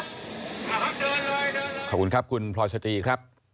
ขอบคุณครับคุณพลอยสตรีครับ